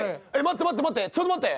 待って待ってちょっと待って。